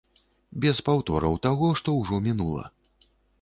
Без паўтораў таго, што ўжо мінула.